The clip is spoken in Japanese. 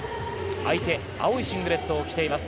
相手青いシングレットを着ています